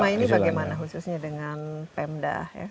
selama ini bagaimana khususnya dengan pemda ya